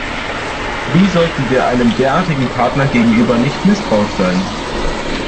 Wie sollten wir einem derartigen Partner gegenüber nicht misstrauisch sein?